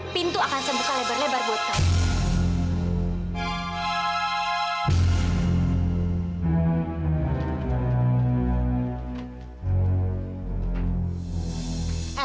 pintu akan sembuhkan lebar lebar buat kamu